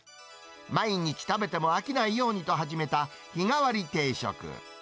毎日食べても飽きないようにと始めた日替わり定食。